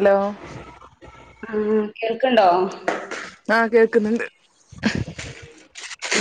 Hello ആഹ് കേൾക്കണ്ടോ ആഹ് കേൾക്കുന്നുണ്ട്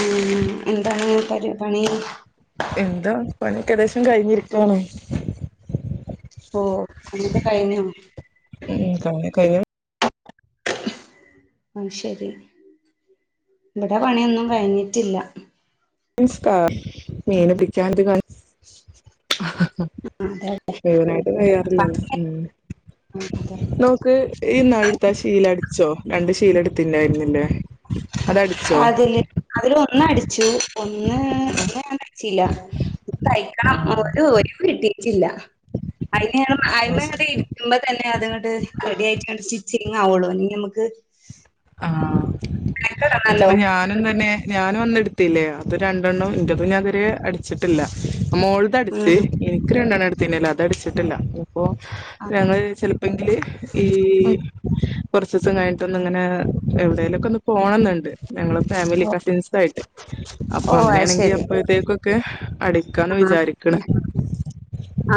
മ്മ് എന്താണ് പരി പണി എന്താ പണിക്കേദേശം കഴിഞ്ഞിരിക്കുണു ഓഹ് പണിയൊക്കെ കയിഞ്ഞോ മ്ഹ് കയിഞ്ഞു കയിഞ്ഞു അത്ശരി ഇവിടെ പണിയൊന്നും കഴിഞ്ഞിട്ടില്ല നിസ്കാ നീനപ്പിച്ചാന്തികൊ അതെ മുഴുവനായിട്ട് അതെ അതെ കയ്യറില്ലല്ലോ ക്ക്‌ ഈ നാടുത്ത ആ ശീലടിച്ചോ രണ്ട് ശീല എടുത്തിണ്ടായിരുന്നില്ലേ അതട അതില് അതില് ഒന്ന അടിച്ചു ഒന്ന് ആഹ് ഒ ഞ അടിച്ചില്ല തയ്ക്കണം ഒരു ആഹ് ഒഴികിട്ടിട്ടില്ല അതിന് അതി്മ ഇരിക്കുമ്പോ തന്നെ അത്ങ്ങട്ട് റെഡി ആയിട്ട് ഇങ്ങ് സ്റ്റിച്ചിങ് ആവുള്ളൂ അല്ലെങ്കി നമുക്ക് ആഹ മെനക്കെടണല്ലോ അതിപ്പോ ഞാനും തന്നെ ഞാനും അന്നെടു ത്തില്ലേ അത് രണ്ടെണ്ണം ഇന്റത് ഞാതിരെ അടിച്ചിട്ടില്ല മോൾത് അടിച്ച് ഉം എനിക്ക് രണ്ടെണ്ണം ന്നല്ല അത അടിച്ചിട്ടില്ല അപ്പൊ ഞങ്ങൾ ചില പെന്തില് ഈ കുറച്ച് ദിവസം കഴിഞ്ഞിട്ടൊന്നിങ്ങനെ എവിടെേലൊക്കെ ഒന്ന് പോണംന്നുണ്ട് ഞങ്ങള് ഫാമിലി ഓ കസിൻസുവായിട്ട് അപ്പൊ ഓ അങ്ങനെയാണെങ്കി അപ്പഴ്തേക്കൊക്കെ അടി ആ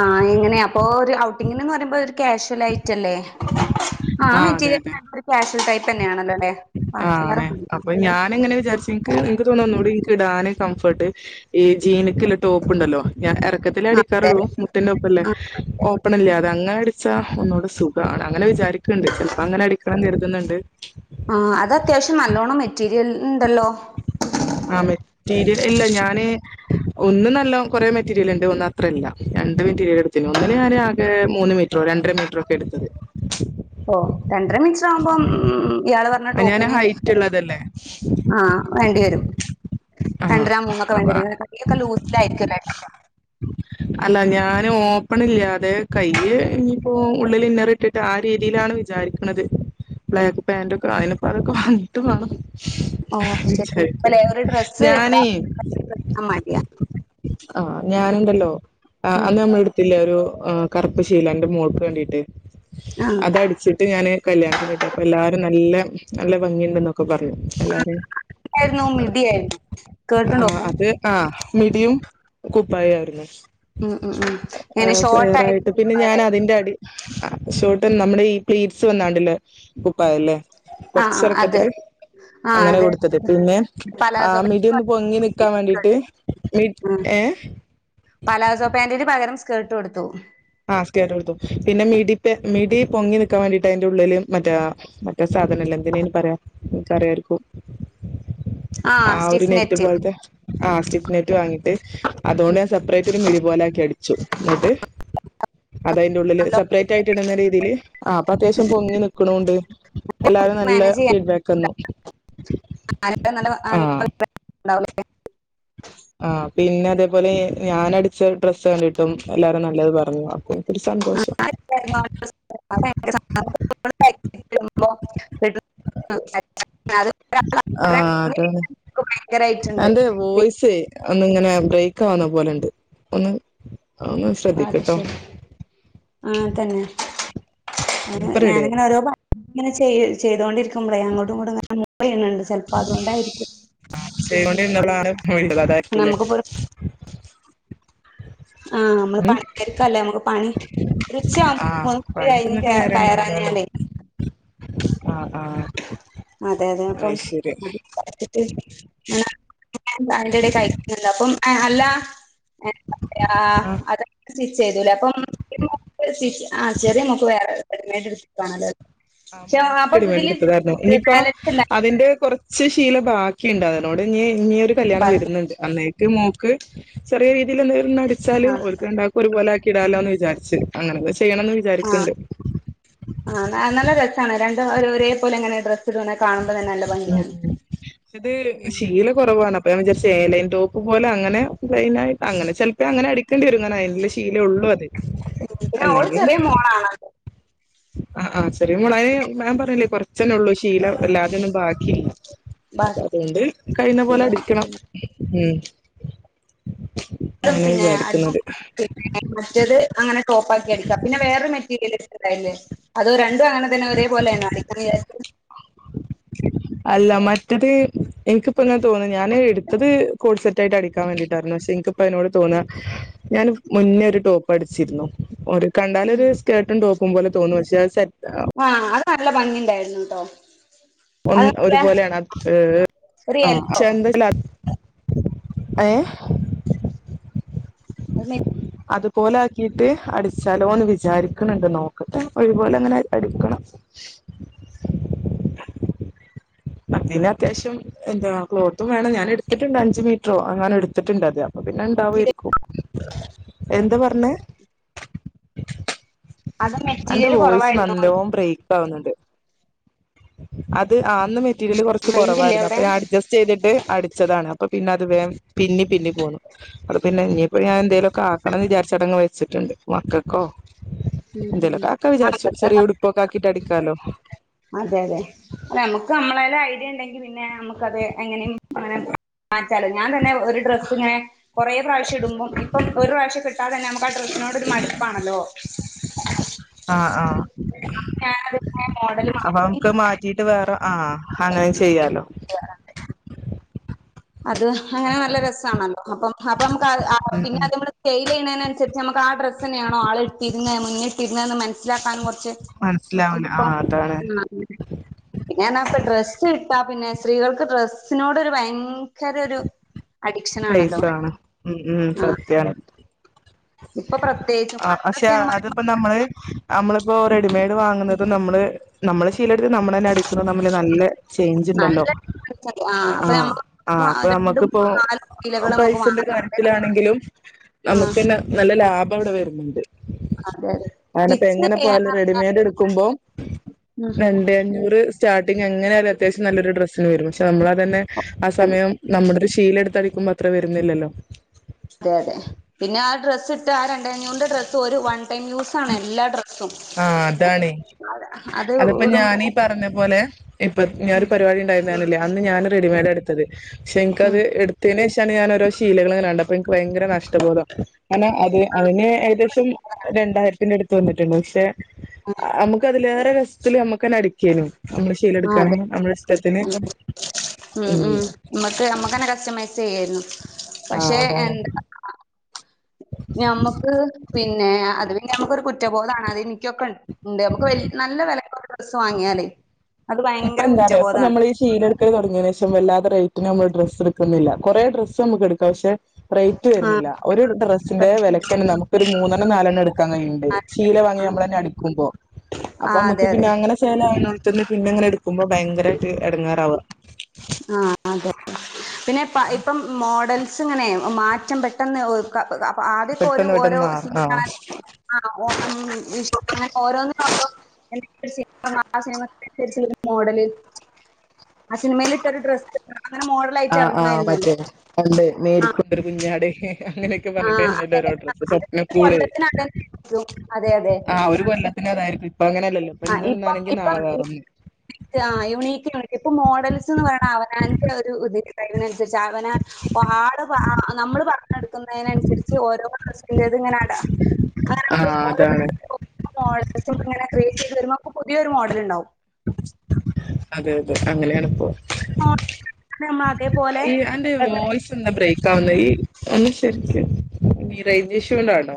ആ എങ്ങനെയ അപ്പൊ ഒരു ഔട്ടിംഗിനെന്ന് പറയുമ്പോ ഒരു ക്യാഷ്വൽ ആയിറ്റല്ലേ ആ ആഹ് അതെ മെറ്റീരിയൽ അതെ ഫാബ്രിക് ക്യാഷ്വൽ ടൈപ്പ് തന്നെയാണല്ലോ അല്ലേ ആണ് അപ്പൊ ഞാനങ്ങനെ വിചാരിച്ച് എനിക്ക് എനിക്ക് തോനുന്നൂ എനിക്ക് ഇടാന് കംഫർട്ട് ഈ ജീനക്ക്ലെ ടോപ്പ് ഉണ്ടല്ലോ ഞാൻ ഇറക്കത്തിലേ ആ അതെ അടിക്കാറുള്ളൂ ഒപ്പല്ലേ ആ ഓപ്പൺല്ല അത അങ്ങന അടിച്ചാ ഒന്നുകടെ സുഖണ് അങ്ങനെ വിചാരിക്ക ക്ക്ണ്ട് ചെൽപ്പം അങ്ങനെ അടിക്കണം കരുതുന്നുണ്ട് ഉം അത് അത്യാവശ്യം നല്ലോണ്ണം മെറ്റീരിയൽ ഉണ്ടല്ലോ ആഹ് മെറ്റീരിയൽ ഇല്ല ഞാന് ഒന്നും നല്ല കൊറെ മെറ്റീരിയൽ ഉണ്ട് ഒന്ന് അത്രല്ല രണ്ട് മെറ്റീരിയൽ എടുത്തി ഒന്ന ഞാൻ ആകെ മൂന്ന് മെ റ്റർ രണ്ടര മീറ്ററ ഒക്കെ എടുത്തത് ഓഹ് രണ്ടര മീറ്റർ ആവുമ്പം ഉം ഇയാൾ പ അയ്ൻ ഞാൻ ഹൈറ്റ് ഉള്ളതല്ലേ ആഹ് വേണ്ടിവരും ആ രണ്ടരാം മൂന്നൊക്കെ വേണ്ടി അപ്പ വരും കൈ ഒക്കെ ലൂസ് ലായിരിക്കല്ലോ ഉ അല്ല ഞാന് ഓപ്പൺ ഇല്ലാതെ കൈ ഇനിയിപ്പോ ഉള്ളിൽ ഇന്നറി ഇട്ടി ആ രീതിയിലാണ് വിചാരിക്കണുന്നത് ബ്ലാക്ക് പാാന്റക്കെ അതിനപ്പ അതൊക്കെ വട്ട വേണം ഓഹ് ശരി അല്ലേ വിചാരിക്കണ്ട് ഒരു ഡ്രസ്സ് ഞാനേ വിറ്റാൽ [unintelligible] മടിയ ആഹ് ഞാനുണ്ടല്ലോ ഉം അന്ന് നമ്മള എടു ത്തില്ല ഒരു കറുപ്പ് ശീല ഇന്റെ മോൾക്ക് വേണ്ടിട്ട് ആ അതടിച്ചിട്ട് ഞാന് കല്യാണത്തിനിട്ട് അപ്പൊ എല്ലാരും നല്ല നല്ല ഭംഗിയുണ്ട എന്നൊക്കെ പറഞ്ഞു ആ, എല്ലാരെ ആയിരുന്നു മിടിയായിരുന്നു സ്കേർട്ടും ആഹ് ടോപ്പും അത് ആഹ് മിടിയും കുപ്പായ ആയിരുന്നു ഉം ഉം ഉം ഇങ്ങനെ ആഹ് ഫ്ലെയർ ഷോർട്ടായിട്ട് ആയിട്ട് പിന്നെ ഞാൻ ആഹ് അതിന്റെ അടി ആഹ് ഷോട്ട നമ്മുടെ ഈ പ്ലേറ്റ്സ് വന്നാണ്ടല്ലേ കുപ്പായല്ലേ ആഹ് അത് കൊറച്ചിറക്കത്തില് ആഹ് അങ്ങനെ അതെ കൊടുത്തത് പിന്നെ പലാസോ ആമി മിഡി ഒന്ന് പൊങ്ങി നിക്കാൻ വേണ്ടിട്ട് സ്കേർട്ട് ഉം ഏഹ് പലാസോ പാാന്റിന് പകരം സ്കർട്ട് കൊടുത്തു ആഹ് സ്കെട്ട് കൊടുത്തും പിന്നെ മിടി മിടി പൊങ്ങി നിക്കാൻ വേണ്ടിട്ട് അതിന്റെ ഉള്ളിലും മറ്റേ മറ്റേ സാധന ഇല്ലേ എന്തിന അയ്ൻ പറയാ ഇങ്ങക്ക് അറിയാരിക്കോ [inaudible] ആഹ് ഒരു നെറ്റ് പോലത്തെ ആഹ് സ്റ്റിഫ്നെറ്റ് വാങ്ങിട്ട് അതുകൊണ്ട് ഞാൻ സെപ്പറേറ്റ് ഒരു മിടി പോലെ ആക്കി അടിച്ചു എന്നിട്ട് അത അയ്ന്റെ ഉള്ളില് സെപ്പറേറ്റ് ആയിട്ട് ഇടുന്ന രീതിയിൽ ആ അപ്പൊ അത്യാവശ്യം പൊങ്ങി നിക്കണണ്ട് എല്ലാതെ നല്ല മാനേജ് ചെയ്യാൻ ഫീഡ്ബാക്ക്ന്നു ആളുകൾ നല്ല ആഹ് [unintelligible] ആഹ് പിന്നെ അതേപോലെ ഞാനടിച്ച ഡ്രസ് കണ്ടിട്ടും എല്ലാരും നല്ലത് പറഞ്ഞു അപ്പൊ ഒരു സന്തോഷം [unintelligible] ആഹ് അതാണ് ഭയങ്കരായിട്ടുണ്ട് അന്റെ വോയ്സെ ഒന്ന് ങ്ങനെ ബ്രേക്ക് വുന്ന പോലെണ്ട് ഒന്ന് ഒന്ന് അത് ശ്രദ്ധിക്കട്ടോ ശരി ആഹ് തന്നെ ഇപ്പ റെഡിയായി ഞാനിങ്ങനെ ഓരോ പണി ങ്ങനെ ചെയ് ചെയ്തോണ്ടിരിക്കുമ്പളേ അങ്ങോട്ടും ഇങ്ങട്ടും ഇങ്ങനെ മൂവ് ചെയ്യണിണ്ട് ചിലപ്പോ അതൊണ്ടായിരിക്കും ആഹ് ചെയ്തൊണ്ടിന്നള്ളല്ല അതായിരിക്കലേ നമുക്കിപ്പോ ആഹ് നമ്മള് പണി തിരിക്കല്ലേ നമുക്ക് പണി ആ ഒരുച്ഛയാവുമ്പോ മൂന്ന് മൂന്നര കഴിഞ്ഞ് കയറാഞ്ഞാലേ ആഹ് ആഹ് അതെ അതെ അപ്പം [unintelligible] ഭക്ഷണം അതിന്റെടെ കഴിക്കുന്നുണ്ട് അപ്പം അല്ല എന്ത പറയാ ആ അതാ സ്റ്റിച്ച് ചെയ്തലേ അപ്പം സ്റ്റിച്ച് ആ ചെറിയ മോക്ക് വേറെ കെമയട്ട് എടുത്തിട്ടണല്ലോ [unintelligible] ആഹ് മോക്ക് റെഡിമൈൻഡ് എടുത്തൂടർന്നോ ഇനിയിപ്പ ബാലൻസ് ഉണ്ടായി അതിന്റെ കുറച്ച് ശീല ബാക്കിണ്ട് അതിനോണ്ട് ഇഞ്ഞി ഇനിയൊരു കല്യാണം ബാക്കി വരുന്നുണ്ട് അന്നേട്ട് മോക്ക് ചെറിയ രീതില് എന്തേലും ഒന്ന് അടിച്ചാല് ആ ഓല്ക്ക് രണ്ടാക്കും ഒരുപോല ആക്കി ഇടാലൊന്ന് വിചാരിച്ച് അങ്ങനൊക്കെ ചെയ്യണന്ന് ആ വിചാരിക്ക്ണ്ട് ആഹ് നല്ല രസാണ് രണ്ടും ഒരേ പോലെ ങ്ങനെ ഡ്രസ് ട്ടിങ്ങനെ കാണുമ്പോ തന്നെ നല്ല ഭംഗിയാണ് ഉം ഇത് ശീല കുറവാണ് അപ്പൊ ഞാൻ വിചാരിച്ചു എലൈൻടോപ്പ് പോലെ അങ്ങനെ ലൈനായിട്ട് അങ്ങനെ ചെലപ്പോ അങ്ങനെ അ ടിക്കേണ്ടി വരും കാരണം അയിനുള്ള ശീലേ ഒള്ളൂ അത് പിന്നെ ഓള് ചെറിയ മോളാണ് ആഹ് ആഹ് ചെറിയ മോളായാലും ഞൻ പറഞ്ഞില്ലേ കൊറച്ചന്നെ ഒള്ളൂ ശീല വല്ലാതൊന്നും ബാക്കിയില്ല അപ്പൊ അതോണ്ട് കയ്യിണ പോലെ ബാക്കിയില്ല അടിക്കണം ഉം അങ്ങനെ വിചാരിക്കുന്നത് മറ്റത് അങ്ങനെ ടോപ്പാക്കി അടിക്കാ പിന്നെ വേറൊരു മെറ്റീരിയൽ ഇടിത്തിട്ട് ഇണ്ടായിരുന്നില്ലേ അതോ രണ്ടും അങ്ങനെ തന്നെ ഒരേപോലെയാണോ അടിക്കാൻ വിചാരിച്ചത് അല്ല മറ്റത് എനിക്കിപ്പോങ്ങെനെ തോന്ന ഞാന് എടുത്തത് കോട്സെറ്റ് റ്റായിട്ട് അടിക്കാൻ വേണ്ടിയിട്ടായിരുന്നു പക്ഷെ ഇൻക് പ്പൊ അയിനൊണ്ട് തോന്നാ ഞാന് മുന്നേ ഒരു ടോപ്പ് അടിച്ചിരുന്നു ഒരു കണ്ടാലൊരു സ്കേർട്ടും ടോപ്പും പോലെ തോന്നും പക്ഷേ അത് സെറ്റ് ആആഹ് അത് നല്ല ഭംഗിണ്ടായിരുന്നു ട്ടോ ഒ അത് നല്ല ഒരുപോലെയാണ് ഏഹ് ഒരു ആഹ് പക്ഷ യെല്ലോ ന്താ ഏഹ് അത് മെ അതുപോലെ ആക്കിട്ട് അടിച്ചാലോന്ന് വിചാരിക്കണണ്ട് നോക്കട്ടെ ഒഴിവ് പോലെങ്ങനെ അടിക്കണം അ [inaudible] അതിന് അത്യാവശ്യം എന്താ ക്ലോത്തും വേണം ഞാൻ എടുത്തിട്ടുണ്ട് അഞ്ച് മീറ്ററോ എങ്ങാൻ എടുത്തിട്ടുണ്ട് അത് അപ്പ പിന്നെ മെറ്റീരിയൽ ണ്ടാവാരിക്കും എന്താ പറഞ്ഞെ അത് അന്റെ മെറ്റീരിയൽ വോയിസ് കൊറവായിരുന്നു നല്ലോം ബ്രേക്ക് ആവുന്നുണ്ട് അത് ആന്ന് മെറ്റീരിയല് കുറച്ച് റേഞ്ചില്ലേ കുറവായിരുന്നു അപ്പൊ അവിടെ? ഞാൻ അഡ്സ്റ്റ് ചെയ്തിട്ട് അടിച്ചതാണ് അപ്പൊ പിന്നെ അത് വേം പിന്നി പിന്നി പോന്നു അത് പിന്നെ ഇഞ്ഞിപ്പോ ഞാൻ എന്തേലൊക്കാക്കണം ന്ന് വിചാരിച്ചടങ് വെച്ചിട്ടുണ്ട് മക്കക്കോ ഉം ഉം എന്തെലൊക്കാക്ക വിചാരിച്ചു ചെറിയ ആഹ് ഉടുപ്പൊക്കക്കിട്ട് അടിക്കാലോ അതെ അതെ ഞമ്മക്ക് ഞമ്മളെല് ഐഡിയ ണ്ടെങ്കി പിന്നെ നമ്മക്ക്ത് എങ്ങനെയും അങ്ങനെ മാറ്റാലോ ഞാൻ തന്നെ ഒരു ഡ്രസ്സിങ്ങനെ കൊറെ പ്രാവശ്യം ഇടുമ്പോം ഇപ്പൊ ഒരു പ്രാവശ്യെ ട്ടാ തന്നെ നമ്മക്ക് ആ ഡ്രസ്സിനോട് ഒരു മട്പ്പാണല്ലോ ആഹ് ആഹ് മോഡൽ അപ്പം മാറ്റി നമ്മക് മാറ്റ വെട്ടീട്ട് വേറെ ആഹ് അങ്ങനെ ചെയ്യാലോ ചെയ്യാറുണ്ട് അത് അങ്ങനെ നല്ല രസാണല്ലോ അപ്പം അപ്പ നമുക്ക് ആ ഉം പിന്നെ ഉം നമ്മള്. സെയില് ചെയ്യുന്നതിനനുസരിച്ച് നമുക്ക് ആ ഡ്രസ് തന്നെയാണോ ആൾ ഇട്ടിരുന്നത് മുന്നിട്ടിരുന്നതെന്ന് മനസ്സിലാക്കാനും കുറച്ച്. മനസ്സിലാവൂല അപ്പപ്പോ ആഹ് അതാണ് പിന്നെന്ന് പറഞ്ഞ ഡ്രസ്സ് ഇട്ടാ പിന്നെ സ്ത്രീകൾക്ക് ഡ്രസ്സിനോട് ഒരു ഭയങ്കര. [unintelligible] അഡിക്ഷൻ പൈസ ആണല്ലോ വാണം ഉ ഉം ആ സത്യാണ്. അതെ. ഇപ്പൊ പ്രത്യേകിച്ചും ആഹ് പക്ഷെ പണ്ടൊക്കെന്ന് പറയുമ്പോ അതിപ്പോ നമ്മള് നമ്മളിപ്പോ റെഡിമെയ്ഡ് വാങ്ങുന്നത് നമ്മള് നമ്മള്. ശീലടുത്ത് നമ്മള് തന്നെ അടിക്കുന്നത് നമ്മില് നല്ല ചേഞ്ച് ഉണ്ടല്ലോ? നല്ല ഉണ്ട്. ആ അപ്പൊ ആഹ് ആഹ അപ്പൊ നമ്മള് രണ്ടും നമ്മക്കിപ്പോ. നാല് കിലകൾ നമുക്ക് പൈസന്റെ വാങ്ങാം ആ അതെ കാര്യത്തിലാണെങ്കിലും നമുക്ക് തന്നെ നല്ല ലാഭം ഇവിടെ വരുന്നുണ്ട്. അതെ അയനെ പൊ സ്റ്റിച്ച് എങ്ങനെ പോയാലും റെഡിമെയ്ഡ് എടുക്കുമ്പോ. ഉം സ്റ്റാർട്ടിംഗ് എങ്ങനെ ആയാലും അത്യാവശ്യം നല്ലൊരു ഡ്രസ്സിന് വരും പക്ഷ നമ്മളത് തന്നെ ആ ഉം സമയം നമ്മളൊരു ശീലടുത്ത്. അടിക്കുമ്പോ അത്ര വരുന്നില്ലല്ലോ? അതെ അതെ പിന്നെ ആ ഡ്രസ്സ് ഇട്ട് ആ രണ്ടെ അഞ്ഞൂറിന്റെ ഡ്രസ്സ് ഒരു വൺ ടൈം യൂസ്. എല്ലാ ഡ്രസും. ആഹ് അതാണ് അതിപ്പോ ഞാനീ പറഞ്ഞ പോലെ ഇപ്പൊ ഞാനൊരു ഉം പരിപാടി ഉണ്ടായിരുന്നു പറഞ്ഞിലേ അന്ന് ഞാൻ റെഡിമെയ്ഡ എടു ത്തത് പക്ഷെ എനിക്കത് ഉം എടുത്തതിന് ശേഷാണ് ഞാൻഓരോ ശീലകള് ങ്ങനെ കണ്ടത്. അപ്പൊ എനിക്ക് ഭയങ്കര നഷ്ടപോധം കാരണം അത് അതിന് ഏകദേശം രണ്ടായിരത്തി വന്നിട്ടുണ്ട് പക്ഷെ നമുക്കതിലേറെ രസത്തില് നമുക്കന്നെ അടി ക്കേനു. ആ അതെ ശീലെടുകാണെങ്കിൽ നമ്മുടെ ഇഷ്ടത്തിന് ഉം നമുക്ക് തന്നെ കസ്റ്റമൈസ് ചെയ്യായിരുന്നു ആഹ് പക്ഷേ. അതാണ് ഞമ്മക്ക് പിന്നെ അത് പിന്നെ നമുകൊരു കുറ്റബോധാണ് അതി ഇ കൊകെണ്ട് നമുക്ക് നല്ല വിലക്ക് ഡ്രസ്സ് വാങ്ങിയാലേ? അത് ഇപ്പൊ ഭയങ്കര എന്താറിയോ ഇപ്പ കുറ്റബോധാണ് നമ്മള് ഈ ശീലടുത്ത്. ക്കൽ തുടങ്ങിയതിന് ശേഷം വല്ലാതെ റേറ്റിന് നമ്മള് ഡ്രസ്സ് എടുക്കുന്നില്ല കുറെേ ഡ്രസ്സ് നമുക്ക് എടുക്കാം പക്ഷെ. റേറ്റ് ആ വരുന്നില്ല ഒരു ഡ്രസ്സിന്റെ വിലക്കെന്നെ നമുക്ക് ഒരു മൂന്നെണ്ണം നാലെണ്ണം എടു എടുക്കാൻ കയിണ്ട് ആ ശീല വാങ്ങി നമ്മൾ തന്നെ അടിക്കുമ്പോ ആ അപ്പൊ അതെ നമ്മുക്ക് പിന്നെ അതെ അങ്ങനെ. ചേലാ യോട് ത്ത്ന്ന് പിന്നെങ്ങനെ എടുക്കുമ്പോ ഭയങ്കരമായിട്ട് എടങ്ങാറാവ. ആ അതെ പിന്നെ ഇപ്പം മോഡൽസ് ഇങ്ങനെ മാറ്റം പറ്റി പെട്ടെന്ന് അപ്പൊ ആദ്യൊക്കെ ഒരു പെട്ടെന്ന് പെട്ടെന്ന് ഓരോ മാറും ആ സീസണ [unintelligible] [unintelligible] മോഡല്. ആ സിനിമയിൽ ഇട്ടൊരു ഡ്രസ് അങ്ങെനെ മോഡൽ. ആ ആ് മറ്റേ പണ്ട് ആ മേരികുണ്ടൊരു കുഞ്ഞാട് അങ്ങനെ. ആ അതെ പറഞ്ഞി്ട്ട് സ്വപ്ന അതൊക്കെ കൂടെ കൊല്ലത്തിന് അതന്നെ ആയിരിക്കും അതെ അതെ ആ ഒരു കൊല്ലം. പിന്നതായിരിക്കും ഇപ്പ അങ്ങനെയല്ല ലോ ഇപ്പ ആ ഇന്ന് ഇപ്പം ഒന്നാണെ ഇപ്പം നാളൊന്ന. ആ യുണീക്ക് യൂണിക്ക് ഇപ്പൊ മോഡൽസ് എന്ന് പറയ്ണെ അവനാന്റെ [unintelligible] അവനാൻ. പാടെ പറഞ്ഞ് നമ്മള് പറഞ്ഞെടുക്കുന്നതിനനുസരിച്ച് ഓരോ ഡ്രസിന്റേത് ഇങ്ങനെ അട ആ [unintelligible] അതാണ് മോഡൽസ് ഇങ്ങനെ ക്രിയേറ്റ് ചെയ്ത് വരുമ്പോ നമുക്ക് പുതിയൊരു മോഡൽ ഉണ്ടാവും. അതെ അതെ അങ്ങനെയാണ് ഇപ്പോ. മോഡൽ നമ്മൾ അതേപോലെ [unintelligible] ബ്രേക്ക് ആവുന്നെ [unintelligible] കൊണ്ടാണോ?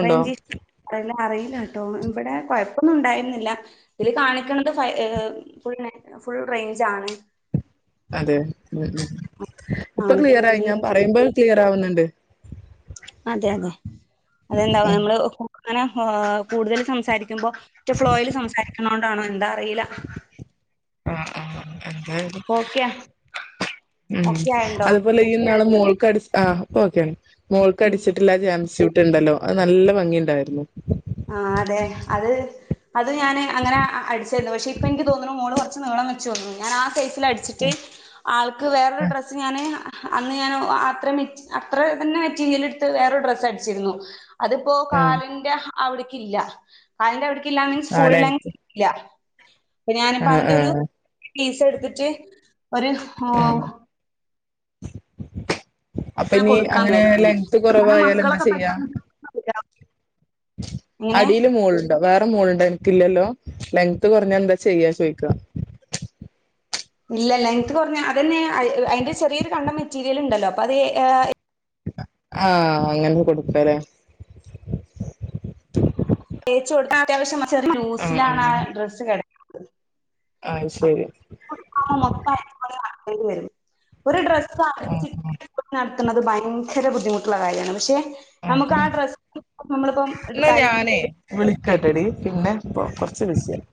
[unintelligible] അറിയില്ല കേട്ടോ ഇവിടെ കൊഴപ്പൊന്നും ഉണ്ടായിരുന്നില്ല. ഇതിൽ കാണിക്കുന്നത് ഫ ഫുൾ ഫുൾ റേഞ്ച് ആണ്. അതെ ഉ ഉ ഇപ്പൊ കാണിക്കണത് ക്ലിയറായി ഞാൻ പറയുമ്പോൾ ക്ലിയർ ആവുന്നുണ്ട്. അതെ അതെ അതെന്താവോ നമ്മള് അങ്ങനെ കൂടുതൽ സംസാരിക്കുമ്പൊ. ുമ്പോറ്റു ഫ്ലോയിൽ സംസാരിക്കുന്നോണ്ടാണോ എന്താ അറിയില്ല? ആ ആ അത് ഓക്കെയാ ഉ ഓക്കെ ആയിണ്ടോ അതുപോലെ. പിന്നാണ് മോൾക്കടിച്ച് ആഹ് ഇപ്പൊ ഓക്കെയാണ് ഉം മോൾക്കടിച്ചിട്ട് ഇല്ലാരുന്ന് ജം‍സ്യൂട്ട് ഉണ്ടല്ലോ അത് നല്ല ഭംഗിയുണ്ടായിരുന്നു ആഹ് അതെ അത് അത് ഞാന് അങ്ങനെ അടിച്ചാരുന്നു പക്ഷേ ഇപ്പൊ എനിക്ക് തോന്നുണു മോള് കൊർച്ച് നീളം വെച്ച് തോന്നു ഞാനാ ആ സൈസ് ല അടിച്ചിട്ട് ആൾക്ക് വേറൊരു ഡ്രസ്സ് ഞാന് അന്ന് ഞാന് അത്ര മെറ്റ് അത്ര തന്നെ മെറ്റീരിയൽ എടുത്ത് വേറൊരു ഡ്രസ്സ് അടിച്ചിരുന്നു അതിപ്പോ ആ ആ, കാലിന്റെ അവിടിക്കില്ല കാലിന്റെ അവിടക്കില്ല മീൻസ് ഫുൾ ലെങ്ത്. ഇല്ല്യാ പ്പ ആ ഞാനിപ്പോ അവന്റെ ആ ഒരു പീസ എടുത്തിട്ട് ഒരു ആ ആഹ് അപ്പൊ അങ്ങനെ ഇനി കൊടുക്കാൻ അങ്ങനെ വിചാരിക്കും ഇനി. ലെങ്ങ്ത് കാരണം കുറവായാലെന്താ മക്കളൊക്കെ ചെയ്യാ പെട്ടെന്ന് ഇങ്ങനെ അടില് മോളുണ്ടോ വേറെ മോളുണ്ടോ നിനക്കില്ലല്ലോ ലെങ്ത്ത് കൊറഞ്ഞാ എന്താ ചെയ്യാ ചോയ്ക്കാ ഇല്ല ലെങ്ത് കുരഞ്ഞ അതന്നെ അതിന്റെ ചെറിയൊരു കണ്ടം മെറ്റീരിയൽ ഉണ്ടല്ലോ അപ്പോ അത് അഹ് ആഹ് അങ്ങനെ കൊടുക്കാല്ലേ തേച്ച കൊടുത്താ അത്യാവശ്യം ചെറിയ ആഹ് ലൂസിലാണാ ഡ്രസ്സ് കെ ആയ്ശരി ആഹ് മൊത്തം [unintelligible] വരും ഒരു ഡ്രസ്സ് ആഹ് അടിച്ചിട്ട് [unintelligible] ക്കുന്നത് ഭയങ്കര ബുദ്ധിമുട്ടുള്ള കാര്യമാണ് പക്ഷേ ആഹ് നമുക്ക് അതെ ആ ഡ്രസ്സ് ഇപ്പോം നമ്മളിപ്പം എട് തൈ കൊണ്ട് എട് വിളിക്കാട്ടടി പിന്നെ കൊറച്ച് ബിസിയാണ്